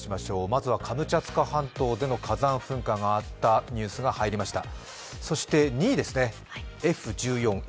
まずはカムチャツカ半島での火山活動があったニュースがありました。